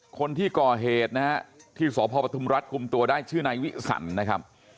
คนที่ก่อเหตุนะฮะที่สพปทุมรัฐคุมตัวได้ชื่อนายวิสันนะครับ